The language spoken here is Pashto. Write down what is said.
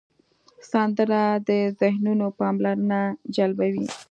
سندره د ذهنونو پاملرنه جلبوي